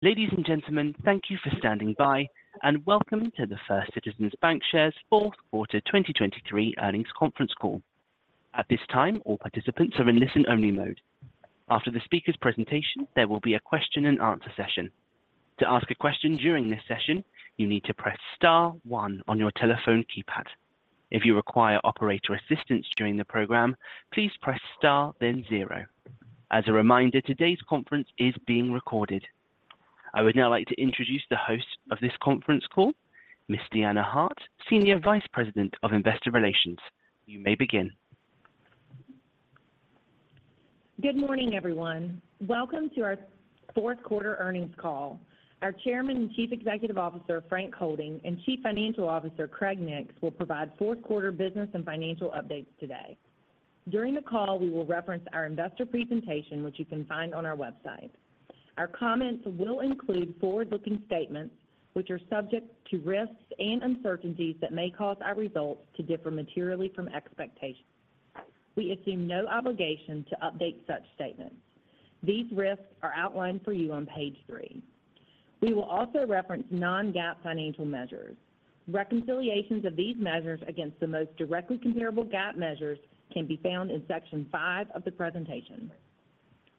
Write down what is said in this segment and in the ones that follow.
Ladies and gentlemen, thank you for standing by, and welcome to the First Citizens BancShares Fourth Quarter 2023 Earnings Conference Call. At this time, all participants are in listen-only mode. After the speaker's presentation, there will be a question and answer session. To ask a question during this session, you need to press star one on your telephone keypad. If you require operator assistance during the program, please press Star, then zero. As a reminder, today's conference is being recorded. I would now like to introduce the host of this conference call, Miss Deanna Hart, Senior Vice President of Investor Relations. You may begin. Good morning, everyone. Welcome to our fourth quarter earnings call. Our Chairman and Chief Executive Officer, Frank Holding, and Chief Financial Officer, Craig Nix, will provide fourth quarter business and financial updates today. During the call, we will reference our investor presentation, which you can find on our website. Our comments will include forward-looking statements, which are subject to risks and uncertainties that may cause our results to differ materially from expectations. We assume no obligation to update such statements. These risks are outlined for you on page three. We will also reference non-GAAP financial measures. Reconciliations of these measures against the most directly comparable GAAP measures can be found in section five of the presentation.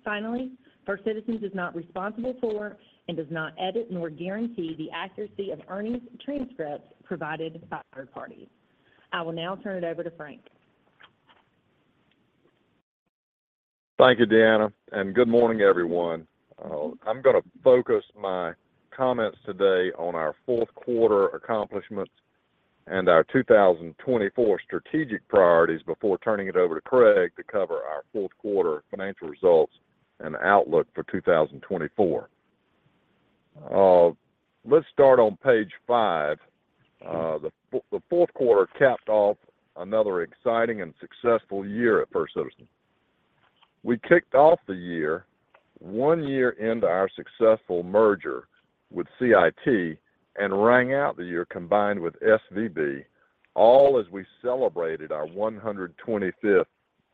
Finally, First Citizens is not responsible for and does not edit nor guarantee the accuracy of earnings transcripts provided by third parties. I will now turn it over to Frank. Thank you, Deanna, and good morning, everyone. I'm going to focus my comments today on our fourth quarter accomplishments and our 2024 strategic priorities before turning it over to Craig to cover our fourth quarter financial results and outlook for 2024. Let's start on page 5. The fourth quarter capped off another exciting and successful year at First Citizens. We kicked off the year, one year into our successful merger with CIT and rang out the year combined with SVB, all as we celebrated our 125th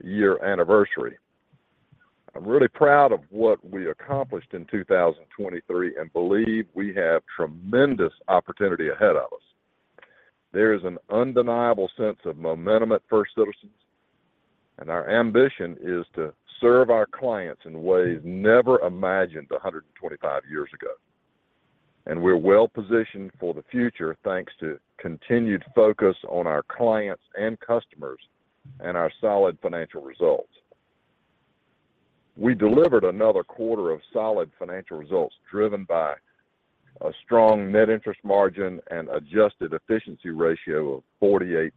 year anniversary. I'm really proud of what we accomplished in 2023 and believe we have tremendous opportunity ahead of us. There is an undeniable sense of momentum at First Citizens, and our ambition is to serve our clients in ways never imagined 125 years ago. We're well positioned for the future, thanks to continued focus on our clients and customers and our solid financial results. We delivered another quarter of solid financial results, driven by a strong net interest margin and adjusted efficiency ratio of 48%.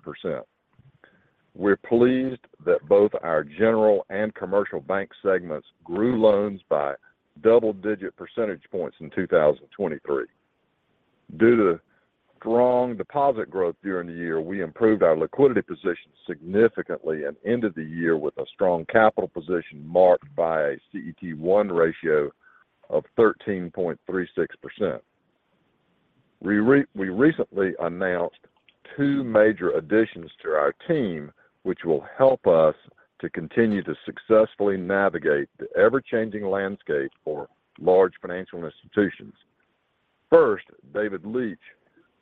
We're pleased that both our general and commercial bank segments grew loans by double-digit percentage points in 2023. Due to strong deposit growth during the year, we improved our liquidity position significantly and ended the year with a strong capital position marked by a CET1 ratio of 13.36%. We recently announced two major additions to our team, which will help us to continue to successfully navigate the ever-changing landscape for large financial institutions. First, David Leitch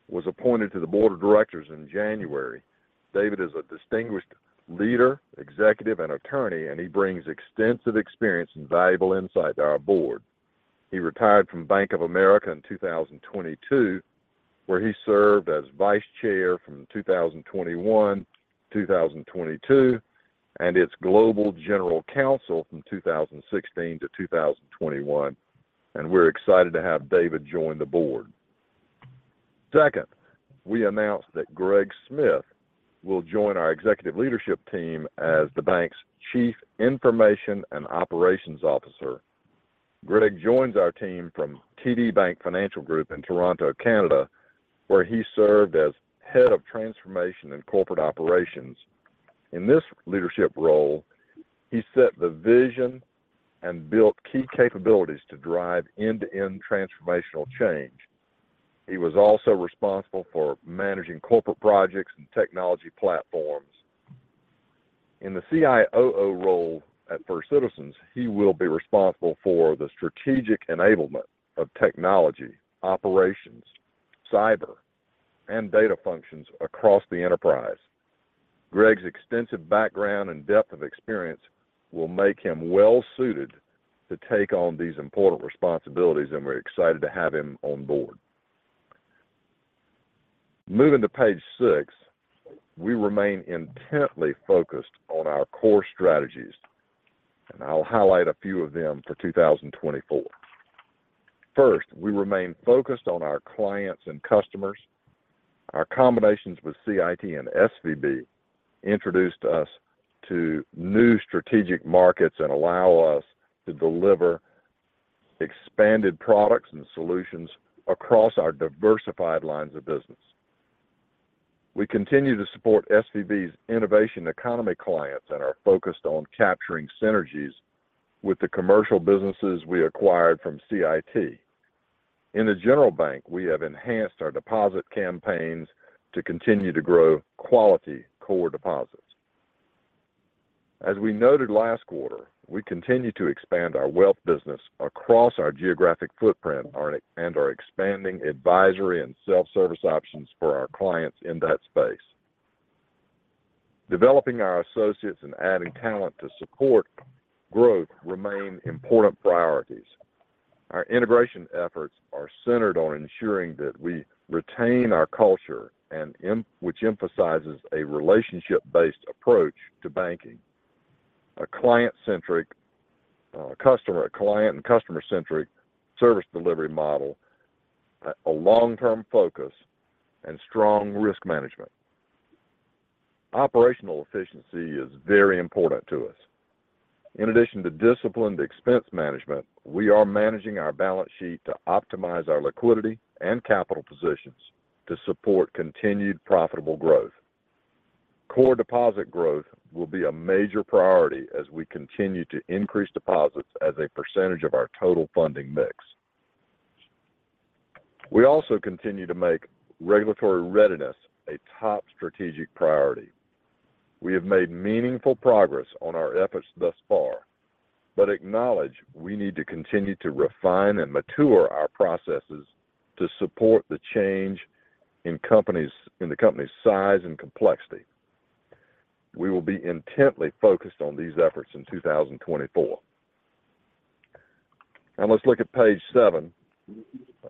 was appointed to the board of directors in January. David is a distinguished leader, executive, and attorney, and he brings extensive experience and valuable insight to our board. He retired from Bank of America in 2022, where he served as Vice Chair from 2021 to 2022, and its Global General Counsel from 2016 to 2021. And we're excited to have David join the board. Second, we announced that Craig Smith will join our executive leadership team as the bank's Chief Information and Operations Officer. Craig joins our team from TD Bank Financial Group in Toronto, Canada, where he served as Head of Transformation and Corporate Operations. In this leadership role, he set the vision and built key capabilities to drive end-to-end transformational change. He was also responsible for managing corporate projects and technology platforms. In the CIOO role at First Citizens, he will be responsible for the strategic enablement of technology, operations, cyber, and data functions across the enterprise. Craig's extensive background and depth of experience will make him well suited to take on these important responsibilities, and we're excited to have him on board. Moving to page six. We remain intently focused on our core strategies, and I'll highlight a few of them for 2024. First, we remain focused on our clients and customers. Our combinations with CIT and SVB introduced us to new strategic markets and allow us to deliver expanded products and solutions across our diversified lines of business. We continue to support SVB's innovation economy clients and are focused on capturing synergies with the commercial businesses we acquired from CIT. In the general bank, we have enhanced our deposit campaigns to continue to grow quality core deposits. As we noted last quarter, we continue to expand our wealth business across our geographic footprint, our, and our expanding advisory and self-service options for our clients in that space. Developing our associates and adding talent to support growth remain important priorities. Our integration efforts are centered on ensuring that we retain our culture and which emphasizes a relationship-based approach to banking, a client- and customer-centric service delivery model, a long-term focus, and strong risk management. Operational efficiency is very important to us. In addition to disciplined expense management, we are managing our balance sheet to optimize our liquidity and capital positions to support continued profitable growth. Core deposit growth will be a major priority as we continue to increase deposits as a percentage of our total funding mix. We also continue to make regulatory readiness a top strategic priority. We have made meaningful progress on our efforts thus far, but acknowledge we need to continue to refine and mature our processes to support the change in company's, in the company's size and complexity. We will be intently focused on these efforts in 2024. Now let's look at page seven.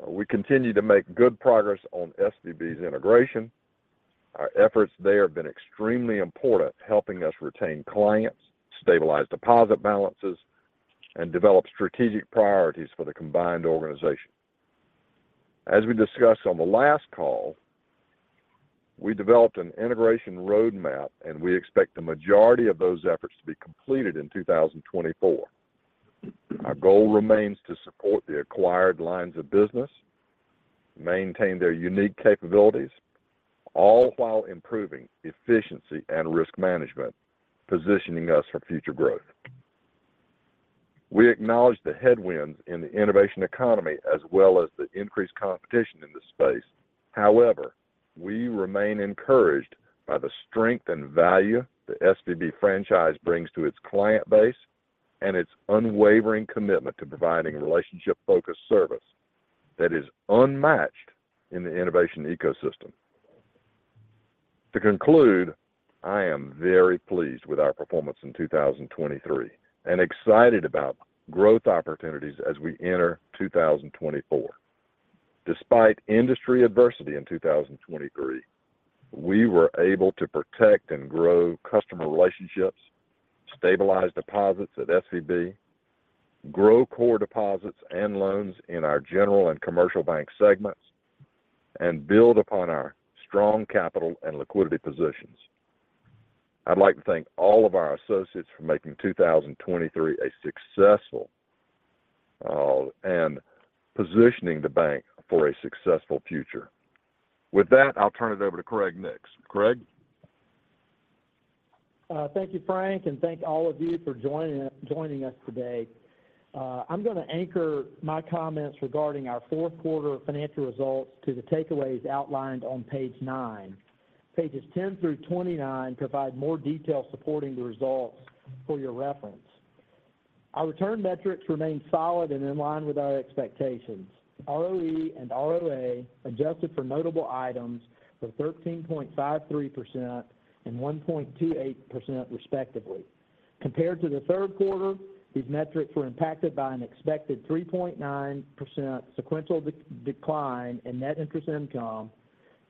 We continue to make good progress on SVB's integration. Our efforts there have been extremely important, helping us retain clients, stabilize deposit balances, and develop strategic priorities for the combined organization. As we discussed on the last call, we developed an integration roadmap, and we expect the majority of those efforts to be completed in 2024. Our goal remains to support the acquired lines of business, maintain their unique capabilities, all while improving efficiency and risk management, positioning us for future growth. We acknowledge the headwinds in the innovation economy as well as the increased competition in this space. However, we remain encouraged by the strength and value the SVB franchise brings to its client base and its unwavering commitment to providing relationship-focused service that is unmatched in the innovation ecosystem. To conclude, I am very pleased with our performance in 2023 and excited about growth opportunities as we enter 2024. Despite industry adversity in 2023, we were able to protect and grow customer relationships, stabilize deposits at SVB, grow core deposits and loans in our general and commercial bank segments, and build upon our strong capital and liquidity positions. I'd like to thank all of our associates for making 2023 a successful year, and positioning the bank for a successful future. With that, I'll turn it over to Craig Nix. Craig? Thank you, Frank, and thank all of you for joining us today. I'm going to anchor my comments regarding our fourth quarter financial results to the takeaways outlined on page 9. Pages 10 through 29 provide more detail supporting the results for your reference. Our return metrics remain solid and in line with our expectations. ROE and ROA, adjusted for notable items, were 13.53% and 1.28% respectively. Compared to the third quarter, these metrics were impacted by an expected 3.9% sequential decline in net interest income,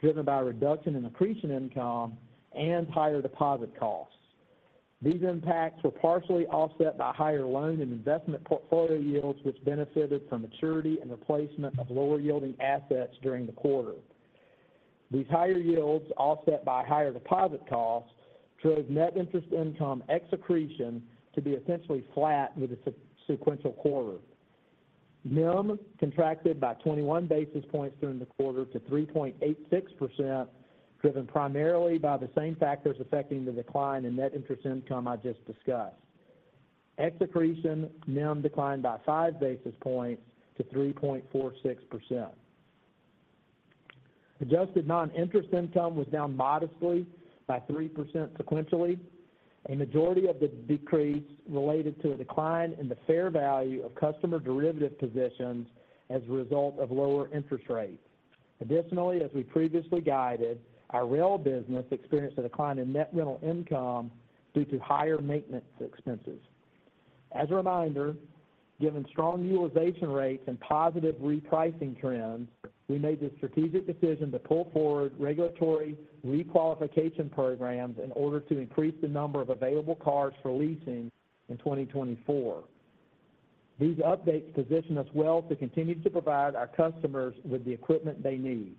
driven by a reduction in accretion income and higher deposit costs. These impacts were partially offset by higher loan and investment portfolio yields, which benefited from maturity and replacement of lower-yielding assets during the quarter. These higher yields, offset by higher deposit costs, drove net interest income ex accretion to be essentially flat with the sequential quarter. NIM contracted by 21 basis points during the quarter to 3.86%, driven primarily by the same factors affecting the decline in net interest income I just discussed. Ex accretion, NIM declined by 5 basis points to 3.46%. Adjusted non-interest income was down modestly by 3% sequentially. A majority of the decrease related to a decline in the fair value of customer derivative positions as a result of lower interest rates. Additionally, as we previously guided, our rail business experienced a decline in net rental income due to higher maintenance expenses. As a reminder, given strong utilization rates and positive repricing trends, we made the strategic decision to pull forward regulatory requalification programs in order to increase the number of available cars for leasing in 2024. These updates position us well to continue to provide our customers with the equipment they need.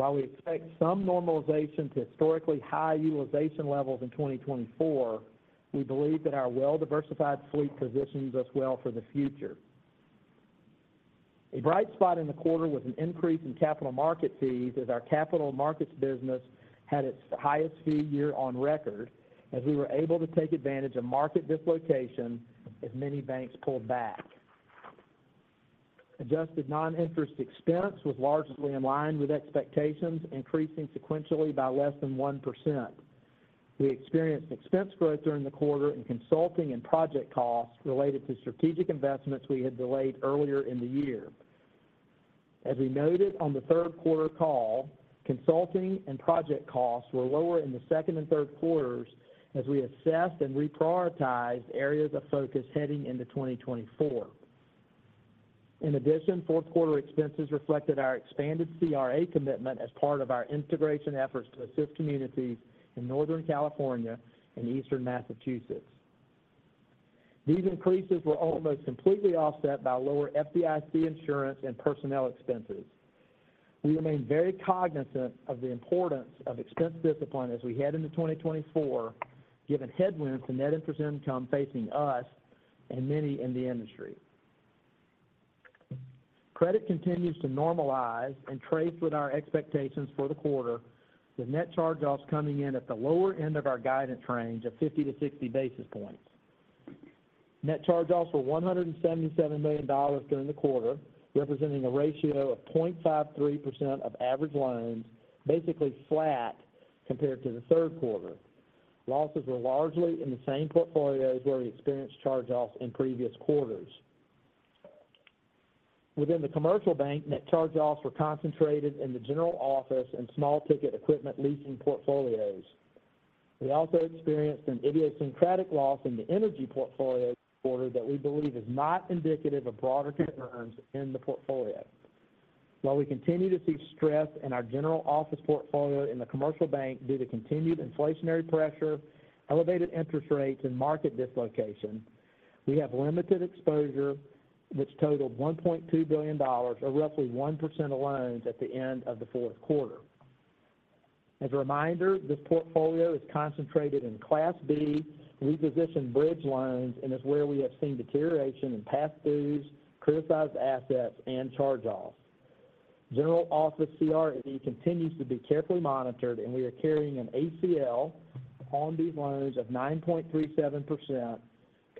While we expect some normalization to historically high utilization levels in 2024, we believe that our well-diversified fleet positions us well for the future. A bright spot in the quarter was an increase in capital market fees, as our capital markets business had its highest fee year on record, as we were able to take advantage of market dislocation as many banks pulled back. Adjusted non-interest expense was largely in line with expectations, increasing sequentially by less than 1%. We experienced expense growth during the quarter in consulting and project costs related to strategic investments we had delayed earlier in the year. As we noted on the third quarter call, consulting and project costs were lower in the second and third quarters as we assessed and reprioritized areas of focus heading into 2024. In addition, fourth quarter expenses reflected our expanded CRA commitment as part of our integration efforts to assist communities in Northern California and Eastern Massachusetts. These increases were almost completely offset by lower FDIC insurance and personnel expenses. We remain very cognizant of the importance of expense discipline as we head into 2024, given headwinds to net interest income facing us and many in the industry. Credit continues to normalize and trace with our expectations for the quarter, with net charge-offs coming in at the lower end of our guidance range of 50-60 basis points. Net charge-offs were $177 million during the quarter, representing a ratio of 0.53% of average loans, basically flat compared to the third quarter. Losses were largely in the same portfolios where we experienced charge-offs in previous quarters. Within the commercial bank, net charge-offs were concentrated in the general office and small ticket equipment leasing portfolios. We also experienced an idiosyncratic loss in the energy portfolio this quarter that we believe is not indicative of broader concerns in the portfolio. While we continue to see stress in our general office portfolio in the commercial bank due to continued inflationary pressure, elevated interest rates, and market dislocation, we have limited exposure, which totaled $1.2 billion, or roughly 1% of loans at the end of the fourth quarter. As a reminder, this portfolio is concentrated in Class B, repositioned bridge loans, and is where we have seen deterioration in past dues, criticized assets, and charge-offs. General Office CRE continues to be carefully monitored, and we are carrying an ACL on these loans of 9.37%,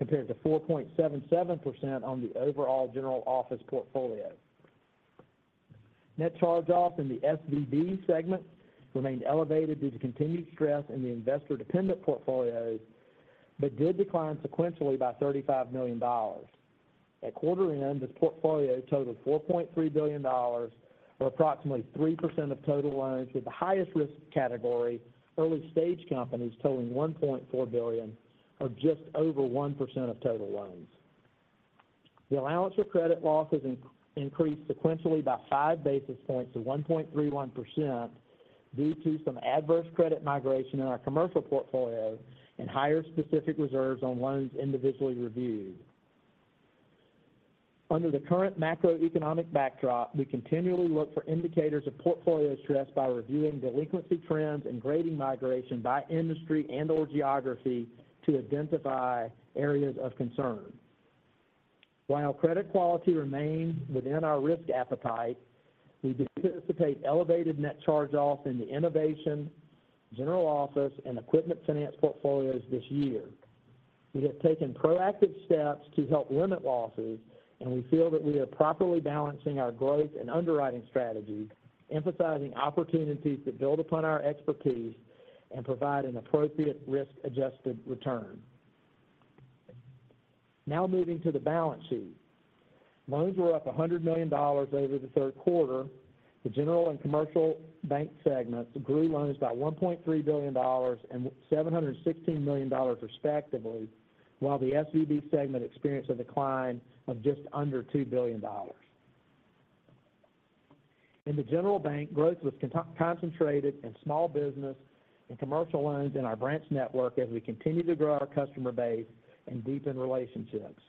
compared to 4.77% on the overall general office portfolio. Net charge-off in the SVB segment remained elevated due to continued stress in the investor-dependent portfolios, but did decline sequentially by $35 million. At quarter end, this portfolio totaled $4.3 billion, or approximately 3% of total loans, with the highest risk category, early-stage companies totaling $1.4 billion, or just over 1% of total loans. The allowance for credit losses increased sequentially by five basis points to 1.31% due to some adverse credit migration in our commercial portfolio and higher specific reserves on loans individually reviewed. Under the current macroeconomic backdrop, we continually look for indicators of portfolio stress by reviewing delinquency trends and grading migration by industry and/or geography to identify areas of concern. While credit quality remains within our risk appetite, we anticipate elevated net charge-offs in the innovation, general office, and equipment finance portfolios this year. We have taken proactive steps to help limit losses, and we feel that we are properly balancing our growth and underwriting strategies, emphasizing opportunities that build upon our expertise and provide an appropriate risk-adjusted return. Now moving to the balance sheet. Loans were up $100 million over the third quarter. The general and commercial bank segments grew loans by $1.3 billion and $716 million, respectively, while the SVB segment experienced a decline of just under $2 billion. In the general bank, growth was concentrated in small business and commercial loans in our branch network as we continue to grow our customer base and deepen relationships.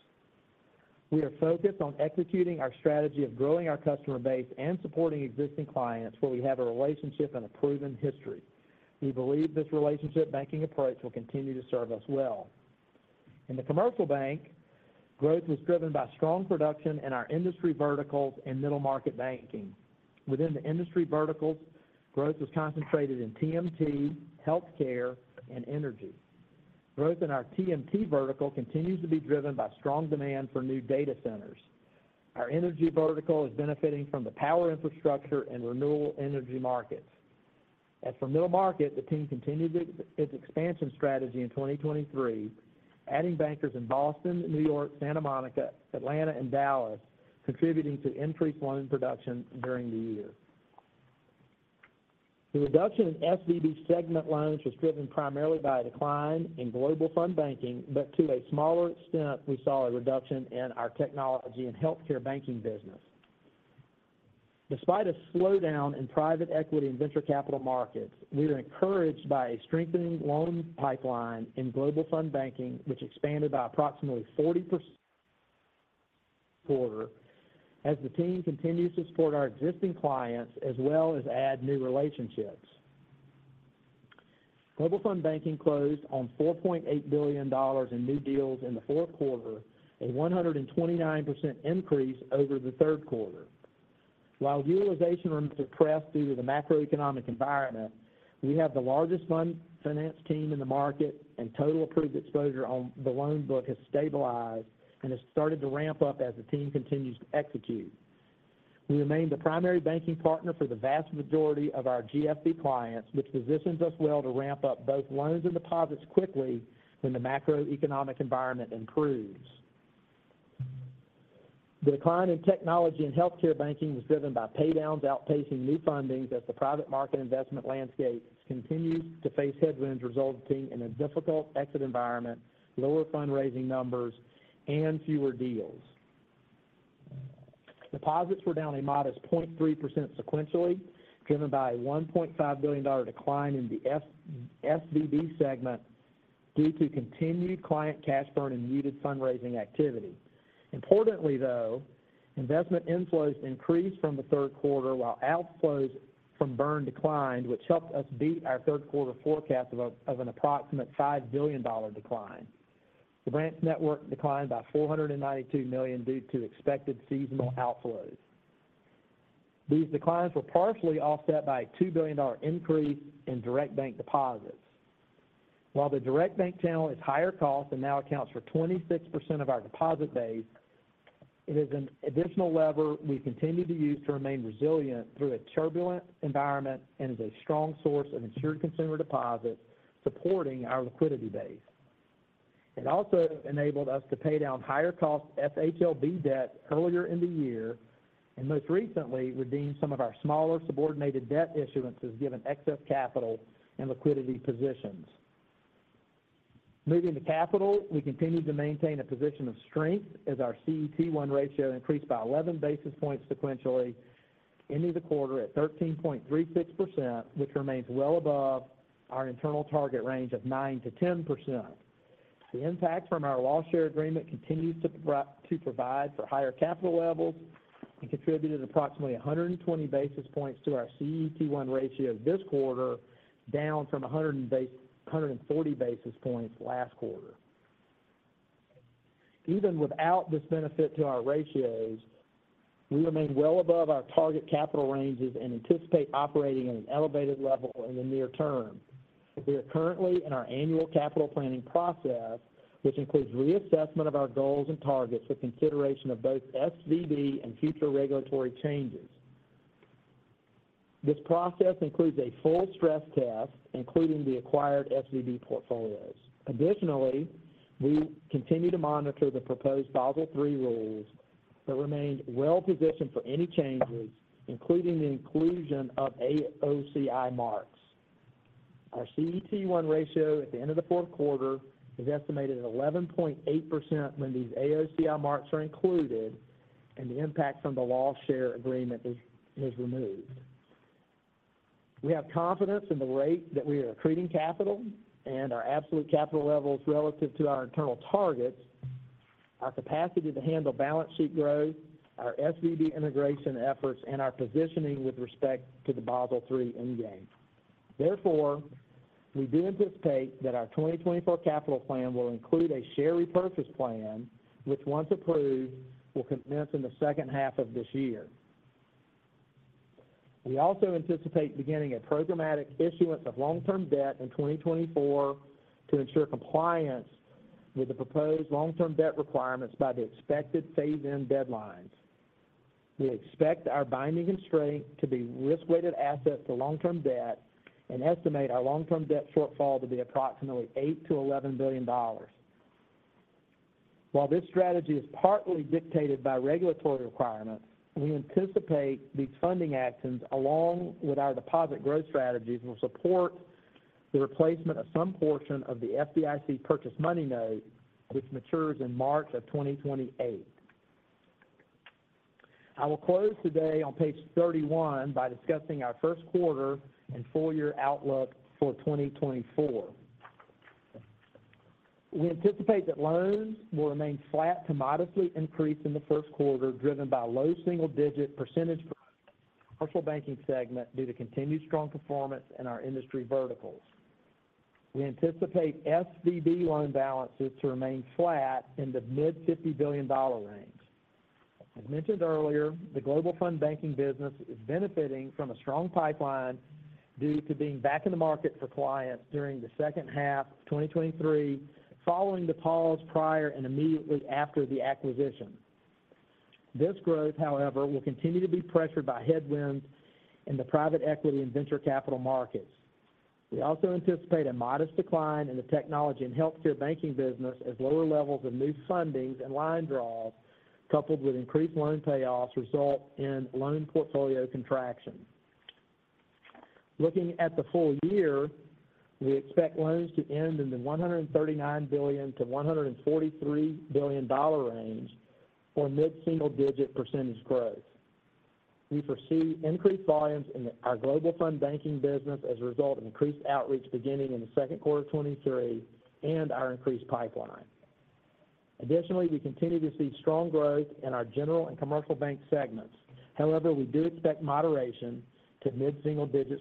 We are focused on executing our strategy of growing our customer base and supporting existing clients where we have a relationship and a proven history. We believe this relationship banking approach will continue to serve us well. In the commercial bank, growth was driven by strong production in our industry verticals and middle market banking. Within the industry verticals, growth was concentrated in TMT, Healthcare, and Energy. Growth in our TMT vertical continues to be driven by strong demand for new data centers. Our Energy vertical is benefiting from the power infrastructure and renewable Energy markets. As for middle market, the team continued its expansion strategy in 2023, adding bankers in Boston, New York, Santa Monica, Atlanta, and Dallas, contributing to increased loan production during the year. The reduction in SVB segment loans was driven primarily by a decline in Global Fund Banking, but to a smaller extent, we saw a reduction in our Technology and Healthcare banking business. Despite a slowdown in private equity and venture capital markets, we are encouraged by a strengthening loan pipeline in Global Fund Banking, which expanded by approximately 40% quarter-over-quarter, as the team continues to support our existing clients as well as add new relationships. Global Fund Banking closed on $4.8 billion in new deals in the fourth quarter, a 129% increase over the third quarter. While utilization remains depressed due to the macroeconomic environment, we have the largest fund finance team in the market, and total approved exposure on the loan book has stabilized and has started to ramp up as the team continues to execute. We remain the primary banking partner for the vast majority of our GFB clients, which positions us well to ramp up both loans and deposits quickly when the macroeconomic environment improves. The decline in Technology and Healthcare banking was driven by paydowns outpacing new fundings as the private market investment landscape continues to face headwinds, resulting in a difficult exit environment, lower fundraising numbers, and fewer deals. Deposits were down a modest 0.3% sequentially, driven by a $1.5 billion decline in the SVB segment due to continued client cash burn and muted fundraising activity. Importantly, though, investment inflows increased from the third quarter, while outflows from burn declined, which helped us beat our third quarter forecast of an approximate $5 billion decline. The branch network declined by $492 million due to expected seasonal outflows. These declines were partially offset by a $2 billion increase in Direct Bank deposits. While the Direct Bank channel is higher cost and now accounts for 26% of our deposit base, it is an additional lever we continue to use to remain resilient through a turbulent environment and is a strong source of insured consumer deposits supporting our liquidity base. It also enabled us to pay down higher cost FHLB debt earlier in the year, and most recently, redeemed some of our smaller subordinated debt issuances, given excess capital and liquidity positions. Moving to capital, we continued to maintain a position of strength as our CET1 ratio increased by 11 basis points sequentially, ending the quarter at 13.36%, which remains well above our internal target range of 9%-10%. The impact from our loss share agreement continues to provide for higher capital levels and contributed approximately 120 basis points to our CET1 ratio this quarter, down from 140 basis points last quarter. Even without this benefit to our ratios, we remain well above our target capital ranges and anticipate operating at an elevated level in the near term. We are currently in our annual capital planning process, which includes reassessment of our goals and targets with consideration of both SVB and future regulatory changes. This process includes a full stress test, including the acquired SVB portfolios. Additionally, we continue to monitor the proposed Basel III rules but remain well positioned for any changes, including the inclusion of AOCI marks. Our CET1 ratio at the end of the fourth quarter is estimated at 11.8% when these AOCI marks are included and the impact from the loss share agreement is removed. We have confidence in the rate that we are accreting capital and our absolute capital levels relative to our internal targets, our capacity to handle balance sheet growth, our SVB integration efforts, and our positioning with respect to the Basel III endgame. Therefore, we do anticipate that our 2024 capital plan will include a share repurchase plan, which, once approved, will commence in the second half of this year. We also anticipate beginning a programmatic issuance of long-term debt in 2024 to ensure compliance with the proposed long-term debt requirements by the expected phase-in deadlines. We expect our binding constraint to be risk-weighted assets to long-term debt and estimate our long-term debt shortfall to be approximately $8 billion-$11 billion. While this strategy is partly dictated by regulatory requirements, we anticipate these funding actions, along with our deposit growth strategies, will support the replacement of some portion of the FDIC Purchase Money Note, which matures in March 2028. I will close today on page 31 by discussing our first quarter and full year outlook for 2024. We anticipate that loans will remain flat to modestly increase in the first quarter, driven by low single-digit percentage commercial banking segment due to continued strong performance in our industry verticals. We anticipate SVB loan balances to remain flat in the mid-$50 billion range. As mentioned earlier, the Global Fund Banking business is benefiting from a strong pipeline due to being back in the market for clients during the second half of 2023, following the pause prior and immediately after the acquisition. This growth, however, will continue to be pressured by headwinds in the private equity and venture capital markets. We also anticipate a modest decline in the Technology and Healthcare banking business as lower levels of new fundings and line draws, coupled with increased loan payoffs, result in loan portfolio contraction. Looking at the full year, we expect loans to end in the $139 billion-$143 billion range or mid-single-digit % growth. We foresee increased volumes in our Global Fund Banking business as a result of increased outreach beginning in the second quarter of 2023 and our increased pipeline. Additionally, we continue to see strong growth in our general and commercial bank segments. However, we do expect moderation to mid-single-digit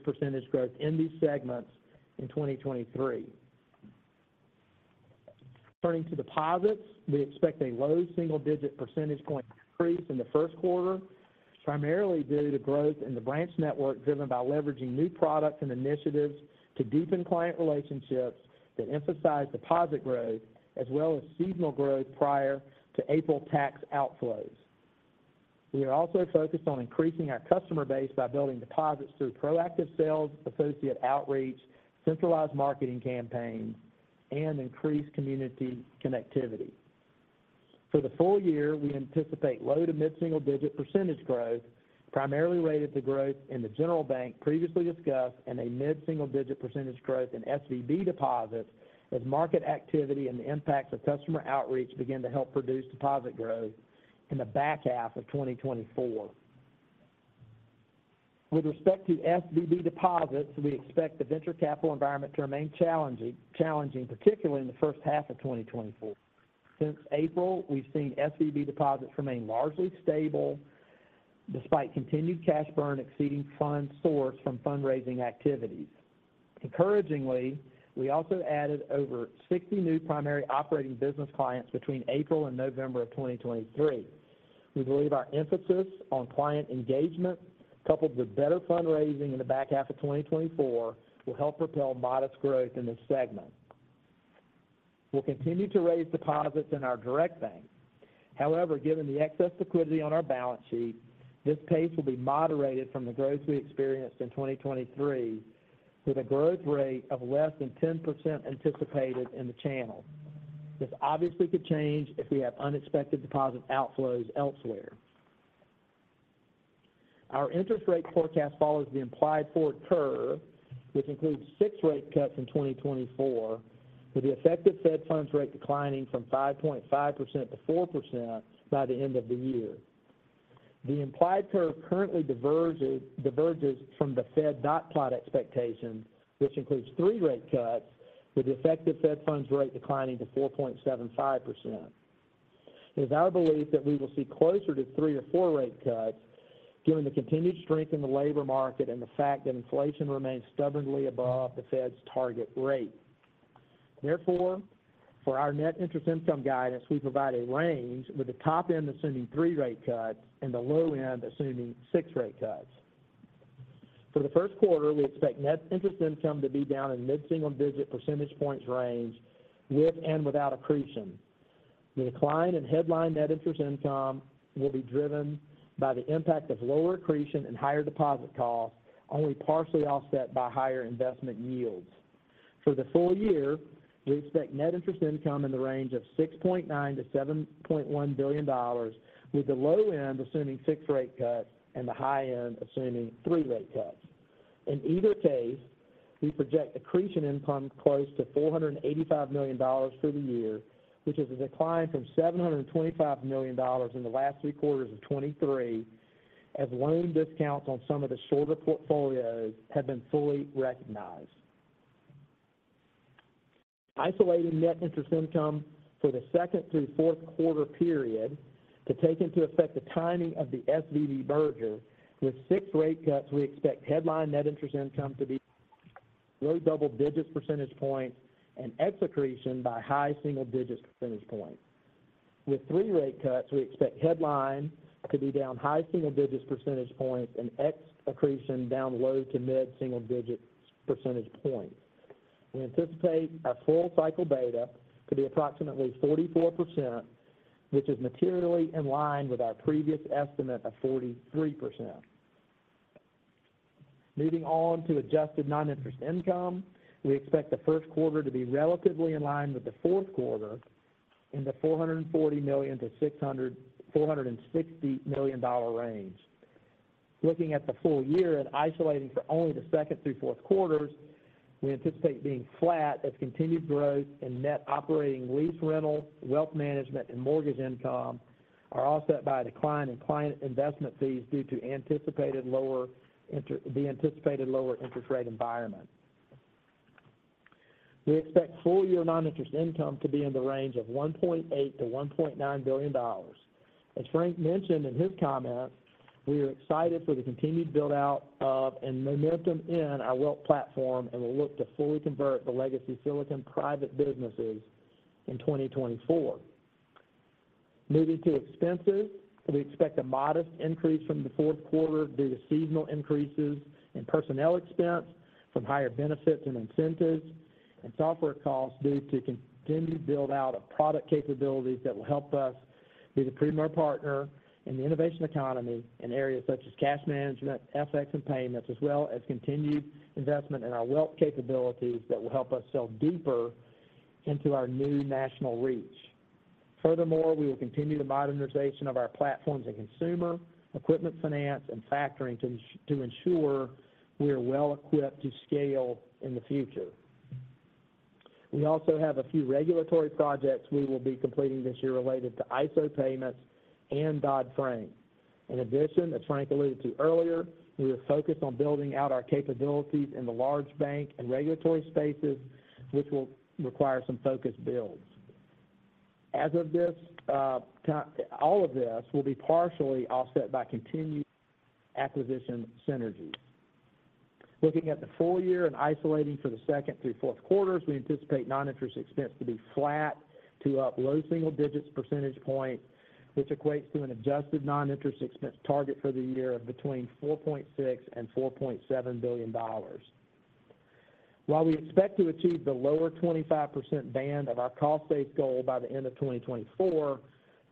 % growth in these segments in 2023.... Turning to deposits, we expect a low single-digit percentage point increase in the first quarter, primarily due to growth in the branch network, driven by leveraging new products and initiatives to deepen client relationships that emphasize deposit growth, as well as seasonal growth prior to April tax outflows. We are also focused on increasing our customer base by building deposits through proactive sales, associate outreach, centralized marketing campaigns, and increased community connectivity. For the full year, we anticipate low- to mid-single-digit % growth, primarily related to growth in the general bank previously discussed, and a mid-single-digit % growth in SVB deposits, as market activity and the impacts of customer outreach begin to help produce deposit growth in the back half of 2024. With respect to SVB deposits, we expect the venture capital environment to remain challenging, particularly in the first half of 2024. Since April, we've seen SVB deposits remain largely stable, despite continued cash burn exceeding funds sourced from fundraising activities. Encouragingly, we also added over 60 new primary operating business clients between April and November of 2023. We believe our emphasis on client engagement, coupled with better fundraising in the back half of 2024, will help propel modest growth in this segment. We'll continue to raise deposits in our Direct Bank. However, given the excess liquidity on our balance sheet, this pace will be moderated from the growth we experienced in 2023, with a growth rate of less than 10% anticipated in the channel. This obviously could change if we have unexpected deposit outflows elsewhere. Our interest rate forecast follows the implied forward curve, which includes 6 rate cuts in 2024, with the effective Fed Funds Rate declining from 5.5% to 4% by the end of the year. The implied curve currently diverges from the Fed dot plot expectation, which includes 3 rate cuts, with the effective Fed Funds Rate declining to 4.75%. It is our belief that we will see closer to 3 or 4 rate cuts, given the continued strength in the labor market and the fact that inflation remains stubbornly above the Fed's target rate. Therefore, for our net interest income guidance, we provide a range with the top end assuming 3 rate cuts and the low end assuming 6 rate cuts. For the first quarter, we expect net interest income to be down in mid-single-digit percentage points range, with and without accretion. The decline in headline net interest income will be driven by the impact of lower accretion and higher deposit costs, only partially offset by higher investment yields. For the full year, we expect net interest income in the range of $6.9 billion-$7.1 billion, with the low end assuming 6 rate cuts and the high end assuming 3 rate cuts. In either case, we project accretion income close to $485 million for the year, which is a decline from $725 million in the last three quarters of 2023, as loan discounts on some of the shorter portfolios have been fully recognized. Isolating net interest income for the second through fourth quarter period to take into effect the timing of the SVB merger. With 6 rate cuts, we expect headline net interest income to be low double-digit percentage points and ex-accretion by high single-digit percentage points. With 3 rate cuts, we expect headline to be down high single-digit percentage points and ex-accretion down low to mid-single-digit percentage points. We anticipate our full cycle beta to be approximately 44%, which is materially in line with our previous estimate of 43%. Moving on to adjusted non-interest income. We expect the first quarter to be relatively in line with the fourth quarter in the $440 million-$460 million range. Looking at the full year and isolating for only the second through fourth quarters, we anticipate being flat as continued growth in net operating lease, rental, wealth management, and mortgage income are offset by a decline in client investment fees due to the anticipated lower interest rate environment. We expect full year non-interest income to be in the range of $1.8 billion-$1.9 billion. As Frank mentioned in his comments, we are excited for the continued build-out of and momentum in our wealth platform, and we look to fully convert the legacy Silicon private businesses in 2024. Moving to expenses, we expect a modest increase from the fourth quarter due to seasonal increases in personnel expense from higher benefits and incentives, and software costs due to continued build-out of product capabilities that will help us be the premier partner in the innovation economy in areas such as cash management, FX, and payments, as well as continued investment in our wealth capabilities that will help us sell deeper into our new national reach. Furthermore, we will continue the modernization of our platforms in consumer, equipment finance, and factoring to ensure we are well equipped to scale in the future. We also have a few regulatory projects we will be completing this year related to ISO payments and Dodd-Frank. In addition, as Frank alluded to earlier, we are focused on building out our capabilities in the large bank and regulatory spaces, which will require some focused builds. As of this time, all of this will be partially offset by continued acquisition synergies. Looking at the full year and isolating for the second through fourth quarters, we anticipate non-interest expense to be flat to up low single digits percentage point, which equates to an adjusted non-interest expense target for the year of between $4.6 billion and $4.7 billion. While we expect to achieve the lower 25% band of our cost save goal by the end of 2024,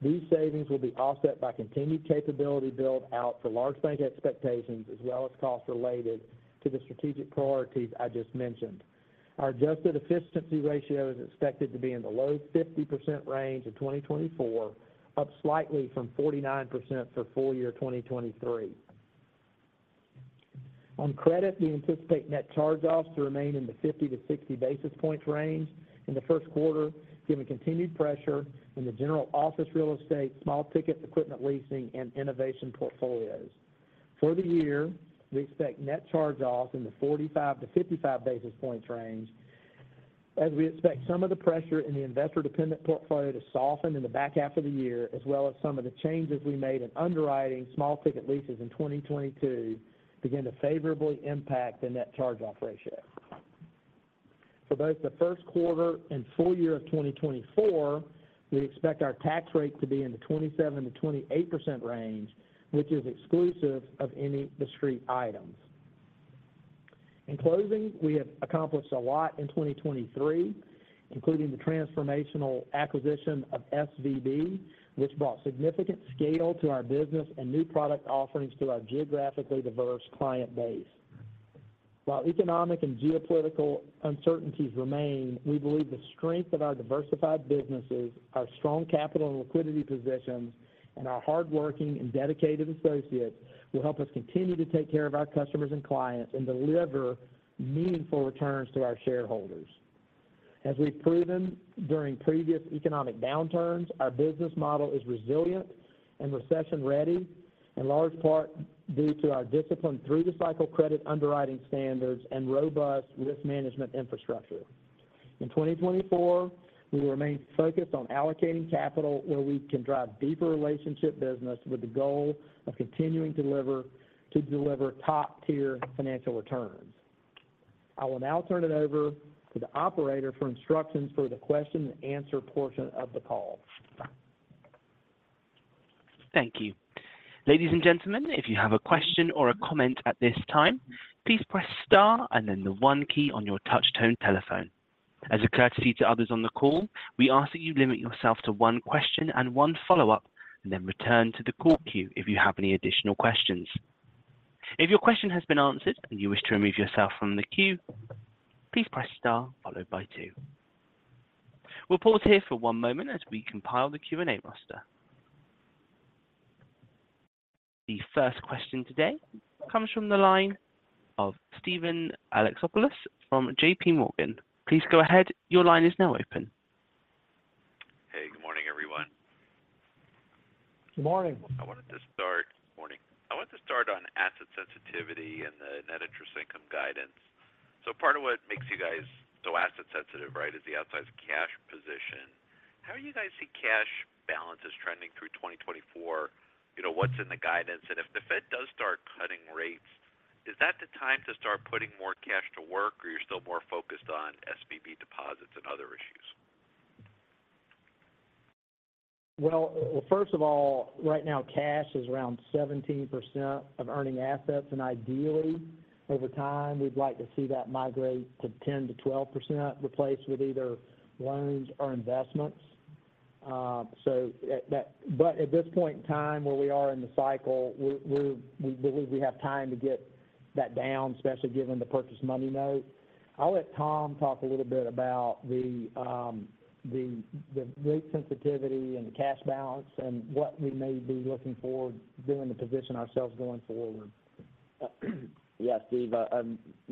these savings will be offset by continued capability build out for large bank expectations, as well as costs related to the strategic priorities I just mentioned. Our adjusted efficiency ratio is expected to be in the low 50% range in 2024, up slightly from 49% for full year 2023. On credit, we anticipate net charge-offs to remain in the 50-60 basis points range in the first quarter, given continued pressure in the general office real estate, small ticket equipment leasing, and innovation portfolios. For the year, we expect net charge-offs in the 45-55 basis points range, as we expect some of the pressure in the investor-dependent portfolio to soften in the back half of the year, as well as some of the changes we made in underwriting small ticket leases in 2022 begin to favorably impact the net charge-off ratio. For both the first quarter and full year of 2024, we expect our tax rate to be in the 27%-28% range, which is exclusive of any discrete items. In closing, we have accomplished a lot in 2023, including the transformational acquisition of SVB, which brought significant scale to our business and new product offerings to our geographically diverse client base. While economic and geopolitical uncertainties remain, we believe the strength of our diversified businesses, our strong capital and liquidity positions, and our hardworking and dedicated associates will help us continue to take care of our customers and clients and deliver meaningful returns to our shareholders. As we've proven during previous economic downturns, our business model is resilient and recession ready, in large part due to our disciplined through the cycle credit underwriting standards and robust risk management infrastructure. In 2024, we will remain focused on allocating capital where we can drive deeper relationship business with the goal of continuing to deliver top-tier financial returns. I will now turn it over to the operator for instructions for the question and answer portion of the call. Thank you. Ladies and gentlemen, if you have a question or a comment at this time, please press star and then the one key on your touchtone telephone. As a courtesy to others on the call, we ask that you limit yourself to one question and one follow-up, and then return to the call queue if you have any additional questions. If your question has been answered and you wish to remove yourself from the queue, please press star followed by two. We'll pause here for one moment as we compile the Q&A roster. The first question today comes from the line of Steven Alexopoulos from J.P. Morgan. Please go ahead. Your line is now open. Hey, good morning, everyone. Good morning. Morning. I want to start on asset sensitivity and the net interest income guidance. So part of what makes you guys so asset sensitive, right, is the outsized cash position. How do you guys see cash balances trending through 2024? You know, what's in the guidance? And if the Fed does start cutting rates, is that the time to start putting more cash to work, or you're still more focused on SVB deposits and other issues? Well, well, first of all, right now, cash is around 17% of earning assets, and ideally, over time, we'd like to see that migrate to 10%-12%, replaced with either loans or investments. So, at that, but at this point in time, where we are in the cycle, we believe we have time to get that down, especially given the Purchase Money Note. I'll let Tom talk a little bit about the rate sensitivity and the cash balance and what we may be looking for doing to position ourselves going forward. Yeah, Steve,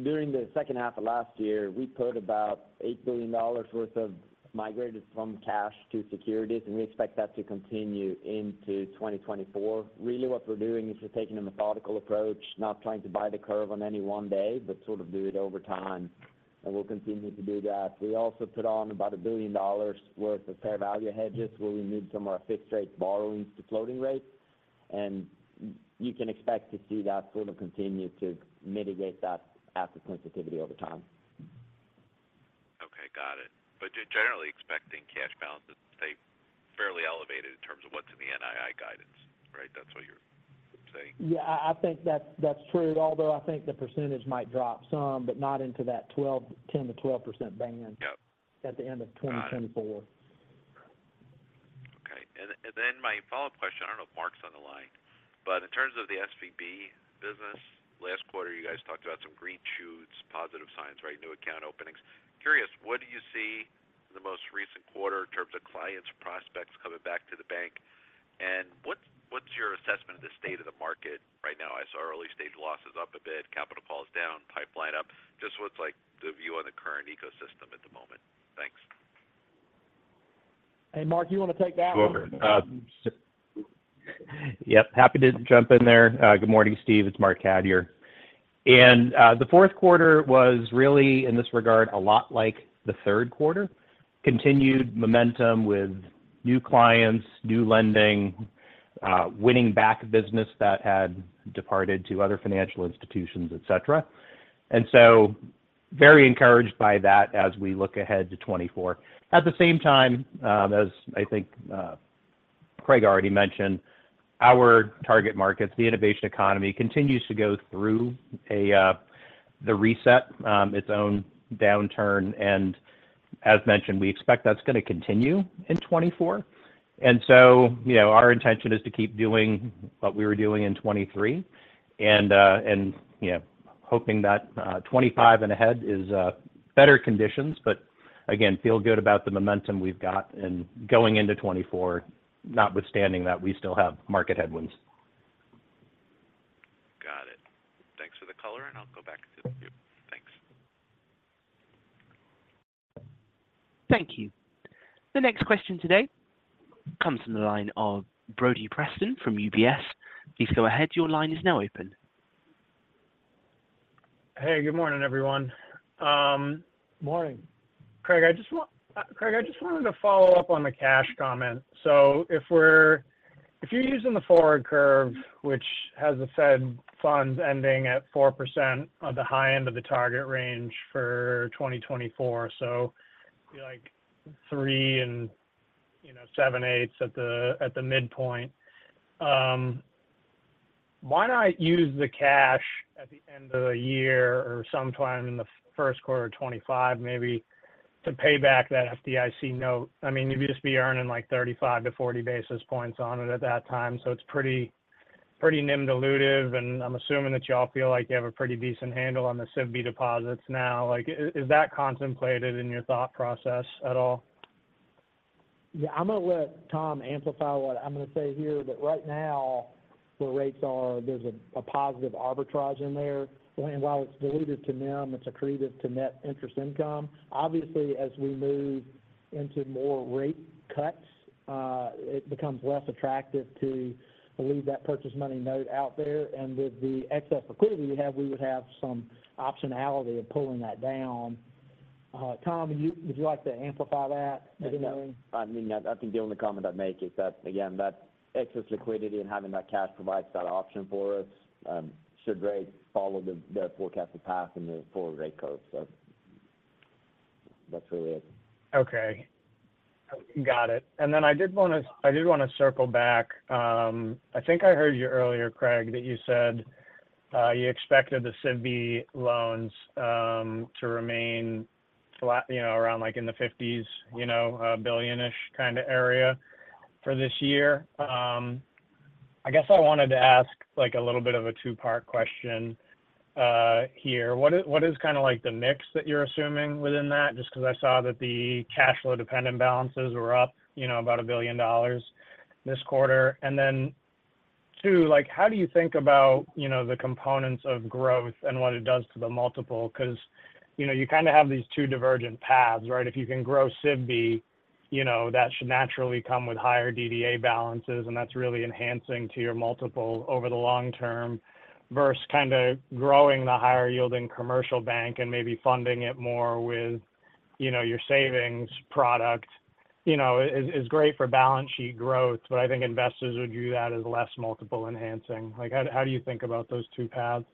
during the second half of last year, we put about $8 billion worth of migrated from cash to securities, and we expect that to continue into 2024. Really, what we're doing is just taking a methodical approach, not trying to buy the curve on any one day, but sort of do it over time, and we'll continue to do that. We also put on about $1 billion worth of fair value hedges, where we moved some of our fixed rate borrowings to floating rates, and you can expect to see that sort of continue to mitigate that asset sensitivity over time. Okay, got it. But generally expecting cash balances to stay fairly elevated in terms of what's in the NII guidance, right? That's what you're saying? Yeah, I think that's true, although I think the percentage might drop some, but not into that 12-- 10%-12% band- Yep. at the end of 2024. Got it. Okay, and then, then my follow-up question, I don't know if Marc's on the line, but in terms of the SVB business, last quarter, you guys talked about some green shoots, positive signs, right, new account openings. Curious, what do you see in the most recent quarter in terms of clients or prospects coming back to the bank? And what's, what's your assessment of the state of the market right now? I saw early-stage losses up a bit, capital calls down, pipeline up. Just what's, like, the view on the current ecosystem at the moment? Thanks. Hey, Marc, you want to take that one? Sure. Uh- Yep, happy to jump in there. Good morning, Steve. It's Marc Cadieux. And, the fourth quarter was really, in this regard, a lot like the third quarter. Continued momentum with,... new clients, new lending, winning back business that had departed to other financial institutions, et cetera. And so very encouraged by that as we look ahead to 2024. At the same time, as I think, Craig already mentioned, our target markets, the innovation economy, continues to go through a, the reset, its own downturn. And as mentioned, we expect that's going to continue in 2024. And so, you know, our intention is to keep doing what we were doing in 2023 and, and, you know, hoping that, 2025 and ahead is, better conditions. But again, feel good about the momentum we've got and going into 2024, notwithstanding that, we still have market headwinds. Got it. Thanks for the color, and I'll go back to the queue. Thanks. Thank you. The next question today comes from the line of Brody Preston from UBS. Please go ahead. Your line is now open. Hey, good morning, everyone. Morning. Craig, I just wanted to follow up on the cash comment. So if we're- if you're using the forward curve, which has the Fed funds ending at 4% on the high end of the target range for 2024, so like 3 and 7/8 at the midpoint, why not use the cash at the end of the year or sometime in the first quarter of 2025, maybe to pay back that FDIC note? I mean, you'd just be earning, like, 35-40 basis points on it at that time, so it's pretty, pretty NIM dilutive, and I'm assuming that y'all feel like you have a pretty decent handle on the SVB deposits now. Like, is that contemplated in your thought process at all? Yeah, I'm going to let Tom amplify what I'm going to say here, but right now, where rates are, there's a positive arbitrage in there, and while it's dilutive to NIM, it's accretive to net interest income. Obviously, as we move into more rate cuts, it becomes less attractive to leave that Purchase Money Note out there. And with the excess liquidity we have, we would have some optionality of pulling that down. Tom, would you like to amplify that anyway? I mean, I think the only comment I'd make is that, again, that excess liquidity and having that cash provides that option for us, should rates follow the forecasted path in the forward rate curve. So that's where we're at. Okay. Got it. And then I did want to circle back. I think I heard you earlier, Craig, that you said you expected the SVB loans to remain flat, you know, around like in the 50s, you know, $1 billion-ish kind of area for this year. I guess I wanted to ask, like, a little bit of a two-part question here. What is kind of like the mix that you're assuming within that? Just because I saw that the cash flow dependent balances were up, you know, about $1 billion this quarter. And then two, like, how do you think about, you know, the components of growth and what it does to the multiple? Because, you know, you kind of have these two divergent paths, right? If you can grow SVB, you know, that should naturally come with higher DDA balances, and that's really enhancing to your multiple over the long term versus kind of growing the higher-yielding commercial bank and maybe funding it more with, you know, your savings product. You know, it is great for balance sheet growth, but I think investors would view that as less multiple enhancing. Like, how do you think about those two paths?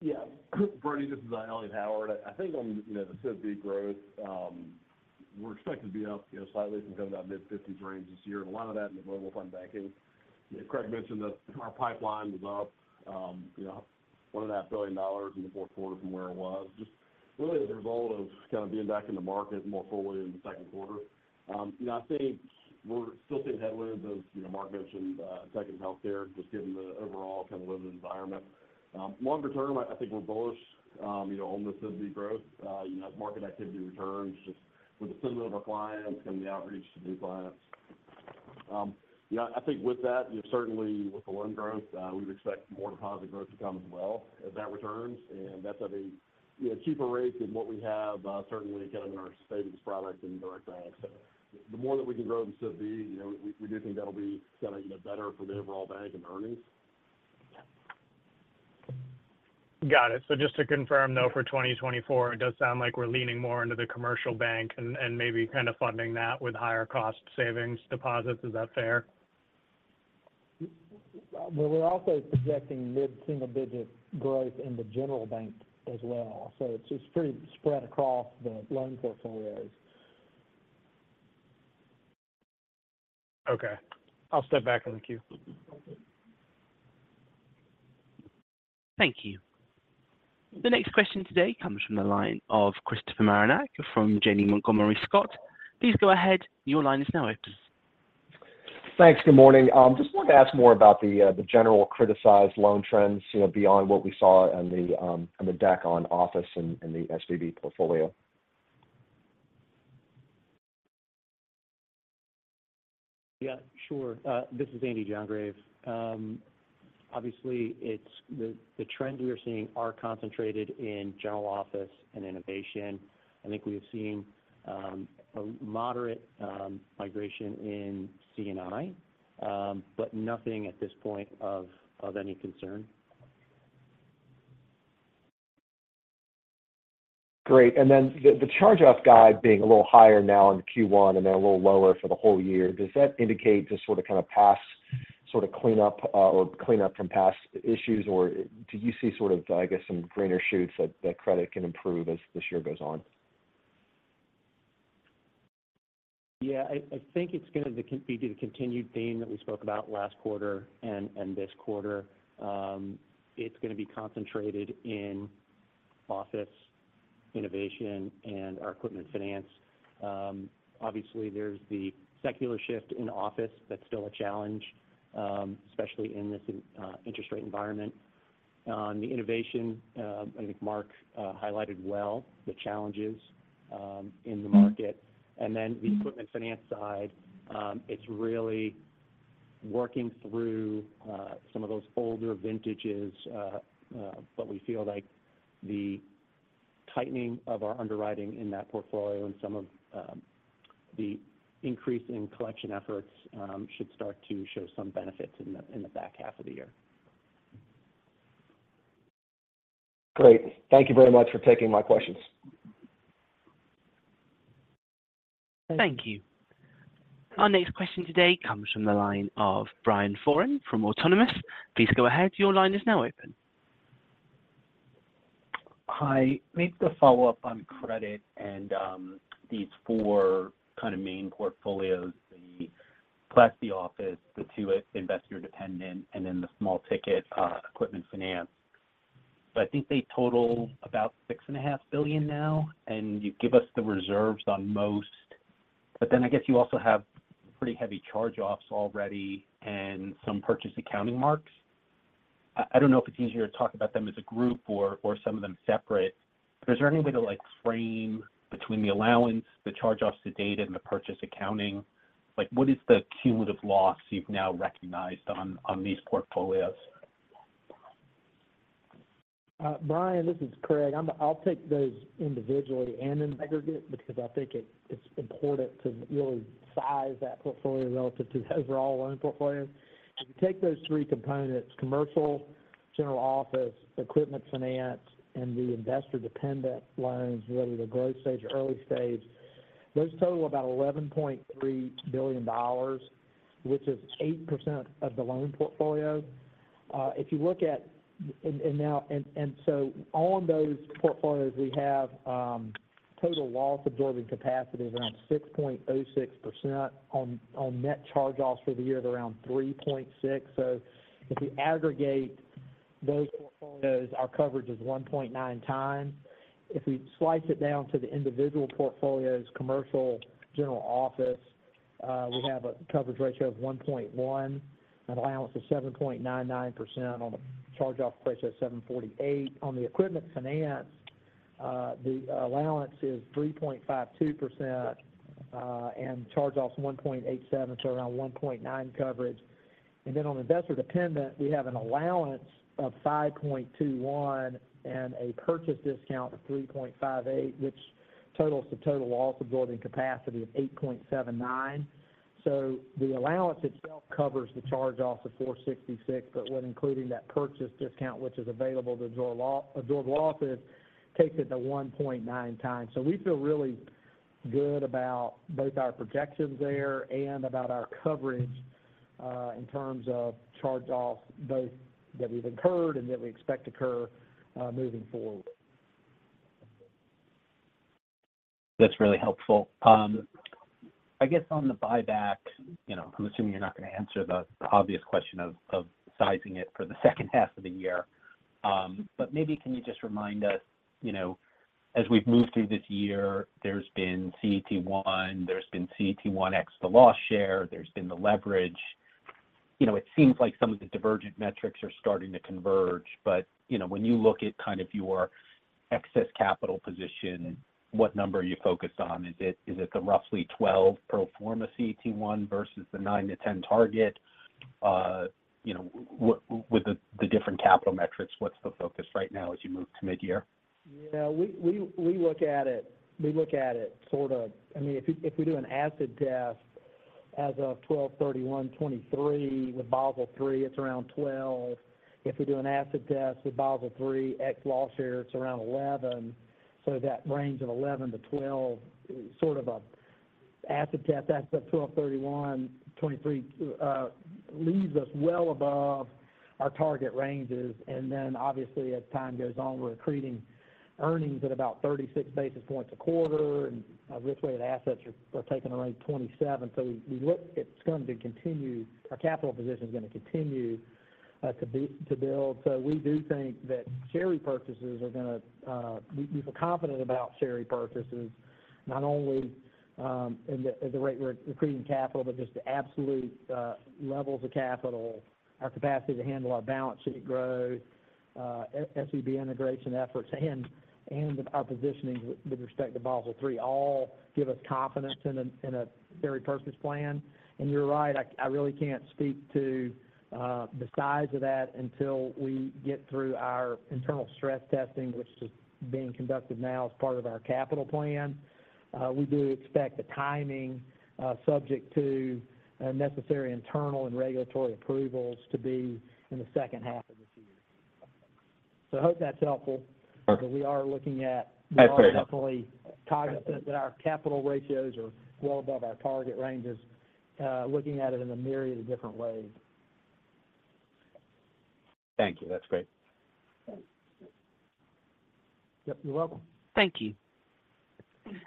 Yeah. Brody, this is Elliott Howard. I think on, you know, the SVB growth, we're expected to be up, you know, slightly from about mid-fifties range this year, and a lot of that in the Global Fund Banking. Craig mentioned that our pipeline was up, you know, $1.5 billion in the fourth quarter from where it was, just really as a result of kind of being back in the market more fully in the second quarter. You know, I think we're still seeing headwinds, as you know, Marc mentioned, in Tech and Healthcare, just given the overall kind of living environment. Longer term, I think we're bullish, you know, on the SVB growth. You know, as market activity returns, just with the sentiment of our clients and the outreach to new clients. Yeah, I think with that, you know, certainly with the loan growth, we'd expect more deposit growth to come as well as that returns, and that's at a, you know, cheaper rates than what we have, certainly kind of in our savings products and Direct Banks. So the more that we can grow the SVB, you know, we, we do think that'll be kind of, you know, better for the overall bank and earnings. Got it. So just to confirm, though, for 2024, it does sound like we're leaning more into the commercial bank and maybe kind of funding that with higher cost savings deposits. Is that fair? Well, we're also projecting mid-single-digit growth in the general bank as well, so it's just pretty spread across the loan portfolios. Okay, I'll step back in the queue. Thank you. The next question today comes from the line of Christopher Marinac from Janney Montgomery Scott. Please go ahead. Your line is now open. Thanks. Good morning. Just wanted to ask more about the general criticized loan trends, you know, beyond what we saw on the deck on office and the SVB portfolio. Yeah, sure. This is Marisa Harney. Obviously, it's the trend we are seeing are concentrated in general office and innovation. I think we've seen a moderate migration in CNI, but nothing at this point of any concern.... Great. And then the charge-off guide being a little higher now in Q1 and then a little lower for the whole year, does that indicate the sort of, kind of past sort of cleanup, or cleanup from past issues? Or do you see sort of, I guess, some greener shoots that credit can improve as this year goes on? Yeah, I think it's gonna be the continued theme that we spoke about last quarter and this quarter. It's gonna be concentrated in office innovation and our equipment finance. Obviously, there's the secular shift in office that's still a challenge, especially in this interest rate environment. On the innovation, I think Marc highlighted well the challenges in the market. And then the equipment finance side, it's really working through some of those older vintages. But we feel like the tightening of our underwriting in that portfolio and some of the increase in collection efforts should start to show some benefits in the back half of the year. Great. Thank you very much for taking my questions. Thank you. Our next question today comes from the line of Brian Foran from Autonomous. Please go ahead. Your line is now open. Hi. Maybe to follow up on credit and these four kind of main portfolios, the plus the office, the two investor-dependent, and then the small ticket equipment finance. So I think they total about $6.5 billion now, and you give us the reserves on most. But then I guess you also have pretty heavy charge-offs already and some purchase accounting marks. I don't know if it's easier to talk about them as a group or some of them separate. But is there any way to, like, frame between the allowance, the charge-offs to date, and the purchase accounting? Like, what is the cumulative loss you've now recognized on these portfolios? Brian, this is Craig. I'll take those individually and in aggregate, because I think it's important to really size that portfolio relative to the overall loan portfolio. If you take those three components: commercial, general office, equipment finance, and the investor-dependent loans, whether they're growth stage or early stage, those total about $11.3 billion, which is 8% of the loan portfolio. If you look at those portfolios, we have total loss absorbing capacity of around 6.06% on net charge-offs for the year of around 3.6. So if you aggregate those portfolios, our coverage is 1.9 times. If we slice it down to the individual portfolios, commercial, general office, we have a coverage ratio of 1.1, an allowance of 7.99% on a charge-off ratio of 7.48. On the equipment finance, the allowance is 3.52%, and charge-off is 1.87, so around 1.9 coverage. And then on investor dependent, we have an allowance of 5.21 and a purchase discount of 3.58, which totals the total loss-absorbing capacity of 8.79. So the allowance itself covers the charge-off of 4.66, but when including that purchase discount, which is available to absorb absorb losses, takes it to 1.9 times. So we feel really good about both our projections there and about our coverage, in terms of charge-offs, both that we've incurred and that we expect to occur, moving forward. That's really helpful. I guess on the buyback, you know, I'm assuming you're not going to answer the obvious question of sizing it for the second half of the year. But maybe can you just remind us, you know, as we've moved through this year, there's been CET1, there's been CET1 ex the loss share, there's been the leverage. You know, it seems like some of the divergent metrics are starting to converge, but, you know, when you look at kind of your excess capital position, what number are you focused on? Is it, is it the roughly 12 pro forma CET1 versus the 9-10 target? You know, with the different capital metrics, what's the focus right now as you move to midyear? Yeah, we look at it sort of. I mean, if we do an acid test as of 12/31/2023, with Basel III, it's around 12. If we do an acid test with Basel III, ex loss share, it's around 11. So that range of 11-12, sort of an acid test. That's at 12/31/2023, leaves us well above our target ranges. And then obviously, as time goes on, we're accreting earnings at about 36 basis points a quarter, and our risk-weighted assets are taken around 27. So we look it's going to continue. Our capital position is going to continue to build. So we do think that share repurchases are gonna, we feel confident about share repurchases, not only in the rate we're accreting capital, but just the absolute levels of capital, our capacity to handle our balance sheet growth, SVB integration efforts, and our positioning with respect to Basel III, all give us confidence in a share repurchase plan. And you're right, I really can't speak to the size of that until we get through our internal stress testing, which is being conducted now as part of our capital plan. We do expect the timing, subject to necessary internal and regulatory approvals, to be in the second half of this year. So I hope that's helpful. Perfect. But we are looking at- That's very helpful. Definitely cognizant that our capital ratios are well above our target ranges, looking at it in a myriad of different ways. Thank you. That's great. Yep, you're welcome. Thank you.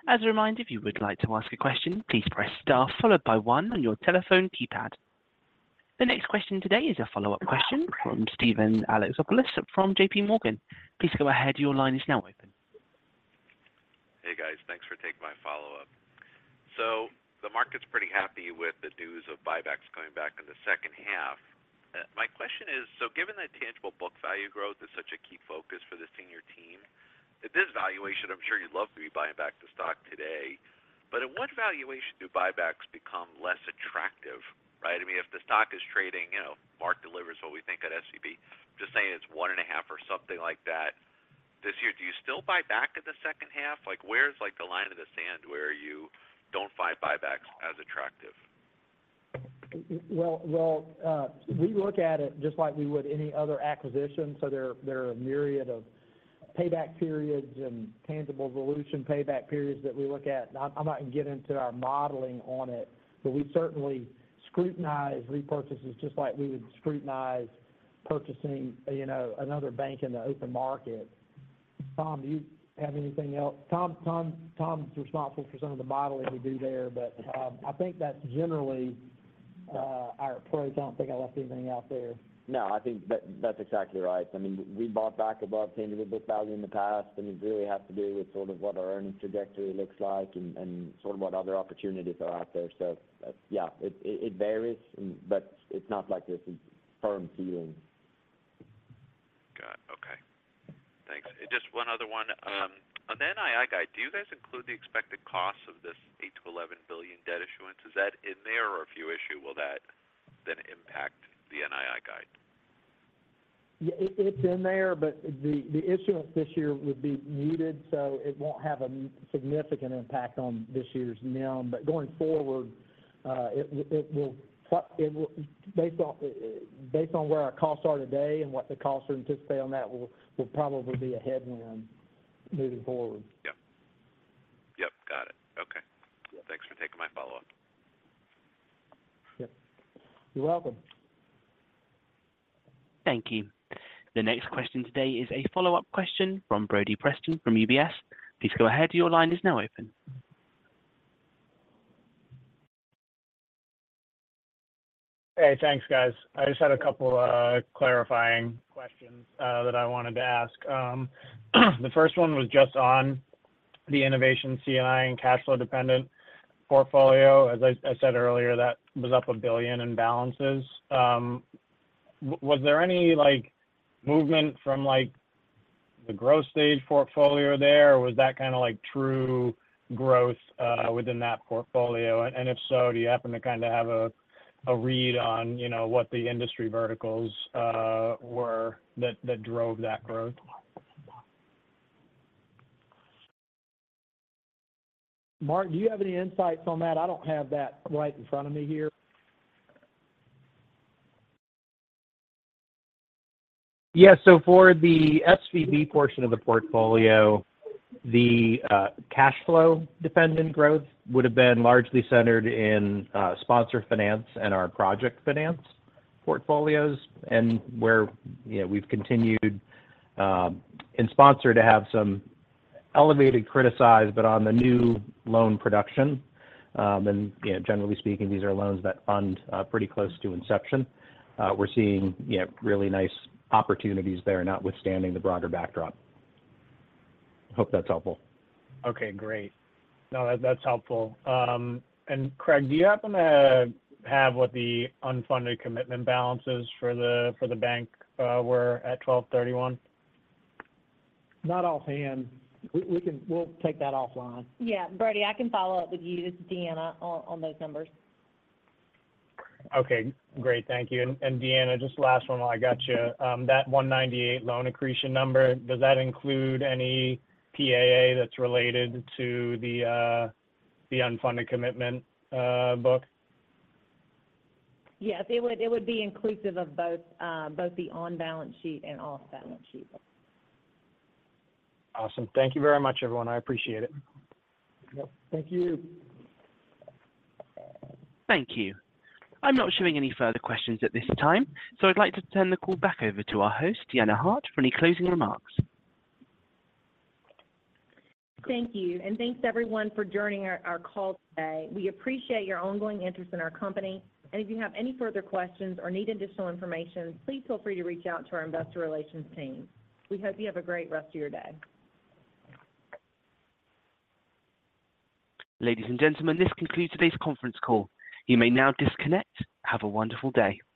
As a reminder, if you would like to ask a question, please press star followed by one on your telephone keypad. The next question today is a follow-up question from Steven Alexopoulos from JP Morgan. Please go ahead. Your line is now open. Hey, guys. Thanks for taking my follow-up. So the market's pretty happy with the news of buybacks coming back in the second half. My question is: so given that tangible book value growth is such a key focus for the senior team, at this valuation, I'm sure you'd love to be buying back the stock today. But at what valuation do buybacks become less attractive, right? I mean, if the stock is trading, you know, Marc delivers what we think at SVB, just saying it's 1.5 or something like that this year, do you still buy back in the second half? Like, where's, like, the line in the sand where you don't find buybacks as attractive? Well, well, we look at it just like we would any other acquisition, so there are a myriad of payback periods and tangible dilution payback periods that we look at. I'm not going to get into our modeling on it, but we certainly scrutinize repurchases just like we would scrutinize purchasing, you know, another bank in the open market. Tom, do you have anything else? Tom, Tom's responsible for some of the modeling we do there, but I think that's generally our approach. I don't think I left anything out there. No, I think that's exactly right. I mean, we bought back above tangible book value in the past, and it really has to do with sort of what our earnings trajectory looks like and sort of what other opportunities are out there. So, yeah, it varies, but it's not like there's a firm ceiling. Got it. Okay. Thanks. And just one other one. On the NII guide, do you guys include the expected costs of this $8 billion-$11 billion debt issuance? Is that in there, or if you issue, will that then impact the NII guide? Yeah, it's in there, but the issuance this year would be muted, so it won't have a significant impact on this year's NIM. But going forward, it will... Based on where our costs are today and what the costs are anticipated on that, will probably be a headwind moving forward. Yep. Yep, got it. Okay. Yep. Thanks for taking my follow-up. Yep. You're welcome. Thank you. The next question today is a follow-up question from Brody Preston from UBS. Please go ahead. Your line is now open. Hey, thanks, guys. I just had a couple clarifying questions that I wanted to ask. The first one was just on the Innovation C&I and cash flow dependent portfolio. As I said earlier, that was up $1 billion in balances. Was there any, like, movement from, like, the growth stage portfolio there, or was that kind of, like, true growth within that portfolio? And if so, do you happen to kind of have a read on, you know, what the industry verticals were that drove that growth? Marc, do you have any insights on that? I don't have that right in front of me here. Yeah, so for the SVB portion of the portfolio, the cash flow dependent growth would have been largely centered in sponsor finance and our project finance portfolios, and where, you know, we've continued in sponsor to have some elevated criticized, but on the new loan production. And, you know, generally speaking, these are loans that fund pretty close to inception. We're seeing, you know, really nice opportunities there, notwithstanding the broader backdrop. Hope that's helpful. Okay, great. No, that's helpful. And Craig, do you happen to have what the unfunded commitment balances for the bank were at 12/31? Not offhand. We can-- we'll take that offline. Yeah, Brody, I can follow up with you. This is Deanna, on those numbers. Okay, great. Thank you. And Deanna, just last one while I got you. That $198 loan accretion number, does that include any PAA that's related to the unfunded commitment book? Yes, it would, it would be inclusive of both, both the on-balance sheet and off-balance sheet. Awesome. Thank you very much, everyone. I appreciate it. Yep. Thank you. Thank you. I'm not showing any further questions at this time, so I'd like to turn the call back over to our host, Deanna Hart, for any closing remarks. Thank you. Thanks, everyone, for joining our call today. We appreciate your ongoing interest in our company. If you have any further questions or need additional information, please feel free to reach out to our investor relations team. We hope you have a great rest of your day. Ladies and gentlemen, this concludes today's conference call. You may now disconnect. Have a wonderful day.